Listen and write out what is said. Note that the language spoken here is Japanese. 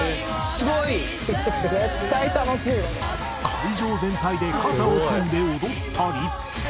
会場全体で肩を組んで踊ったり。